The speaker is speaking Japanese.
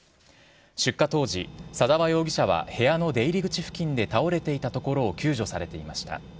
出火当時、左沢容疑者は部屋の出入り口付近で倒れていたところを救助されていました。